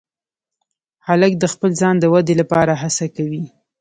هلک د خپل ځان د ودې لپاره هڅه کوي.